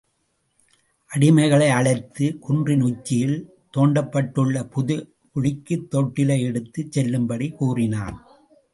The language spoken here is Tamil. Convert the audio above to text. அடிமைகளை அழைத்து, குன்றின் உச்சியில் தோண்டப்பட்டுள்ள புதை குழிக்குத் தொட்டிலை எடுத்துச் செல்லும்படி கூறினான்.